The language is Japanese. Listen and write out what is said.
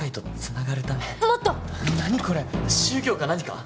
何これ宗教か何か？